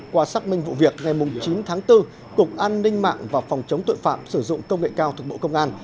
qua xác minh vụ việc ngày chín tháng bốn cục an ninh mạng và phòng chống tội phạm sử dụng công nghệ cao thuộc bộ công an